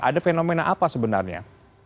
ada fenomena apa sebenarnya